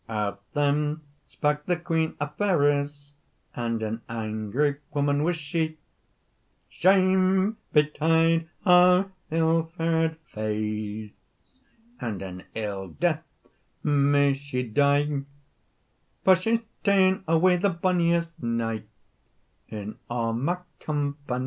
Out then spak the Queen o Fairies, And an angry woman was she; "Shame betide her ill far'd face, And an ill death may she die, For she's taen awa the bonniest knight In a' my companie.